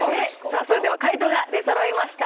それでは解答が出そろいました。